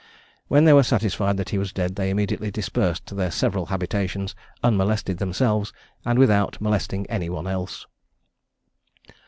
When they were satisfied that he was dead, they immediately dispersed to their several habitations, unmolested themselves, and without molesting any one else.